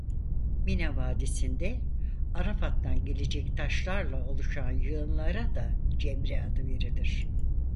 Mina Vadisi'nde Arafat'tan gelecek taşlarla oluşan yığınlara da "cemre" adı verilir.